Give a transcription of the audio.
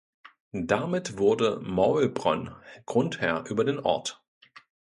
Damit wurde Maulbronn Grundherr über den Ort.